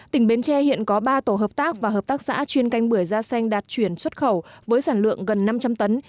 tỉnh bến tre hiện có ba tổ hợp tác và hợp tác xã chuyên canh bưởi da xanh đạt chuyển xuất khẩu với sản lượng gần năm trăm linh tấn